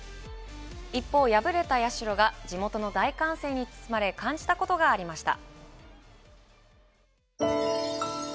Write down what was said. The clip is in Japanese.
一方、敗れた社が地元の大歓声に包まれ感じたことがありました。